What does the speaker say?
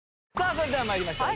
それでは参りましょう。